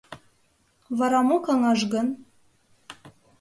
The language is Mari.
Вара мо каҥаш гын?